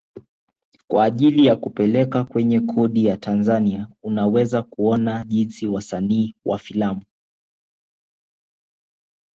kwa ajili ya kupeleka kwenye kodi ya Tanzania Unaweza kuona jinsi wasanii wa filamu